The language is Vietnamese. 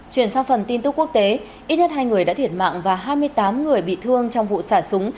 chuyển sang phần tin tức quốc tế ít nhất hai người đã thiệt mạng và hai mươi tám người bị thương trong vụ xả súng